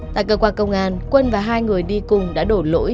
tại cơ quan công an quân và hai người đi cùng đã đổ lỗi